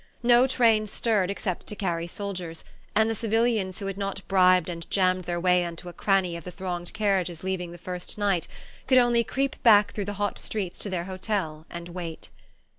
No train stirred except to carry soldiers, and the civilians who had not bribed and jammed their way into a cranny of the thronged carriages leaving the first night could only creep back through the hot streets to their hotel and wait.